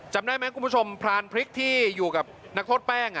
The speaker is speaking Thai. จำได้ไหมคุณผู้ชมพรานพริกที่อยู่กับนักโทษแป้ง